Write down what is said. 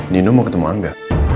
nino mau ketemu angga